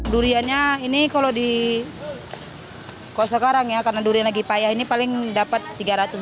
duriannya ini kalau di kalau sekarang ya karena durian lagi payah ini paling dapat tiga ratus empat ratus durian lah